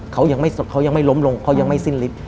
เขายังไม่ล้มลงเขายังไม่สิ้นลิศ